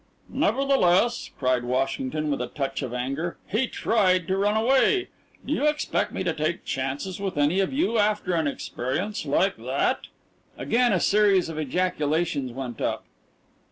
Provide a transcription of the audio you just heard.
"Nevertheless," cried Washington with a touch of anger, "he tried to run away. Do you expect me to take chances with any of you after an experience like that?" Again a series of ejaculations went up.